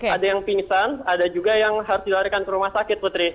ada yang pingsan ada juga yang harus dilarikan ke rumah sakit putri